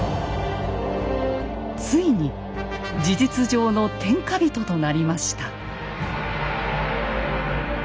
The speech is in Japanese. ついに事実上の天下人となりました。